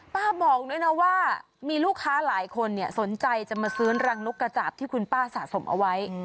ป้าบอกด้วยนะว่ามีลูกค้าหลายคนนี่สนใจจะมาซื้อที่คุณป้าสะสมเอาไว้